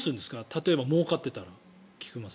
例えばもうかっていたら。